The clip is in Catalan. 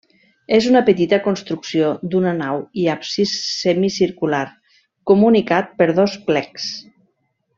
És una petita construcció d'una nau i absis semicircular comunicat per dos plecs.